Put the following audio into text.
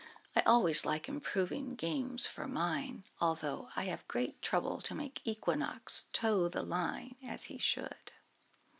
I always like improving games for mine, although I have great trouble to make Equinox toe the line as he should."